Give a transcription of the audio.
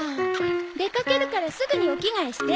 出かけるからすぐにお着替えして。